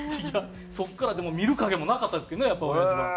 そこからでも見る影もなかったですけどねおやじは。